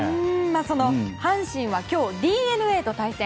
その阪神は今日ＤｅＮＡと対戦。